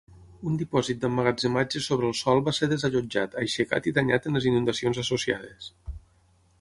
Un dipòsit d'emmagatzematge sobre el sòl va ser desallotjat, aixecat i danyat en les inundacions associades.